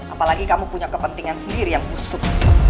apalagi kamu punya kepentingan sendiri yang busuk